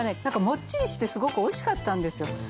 何かもっちりしてすごくおいしかったんですよ。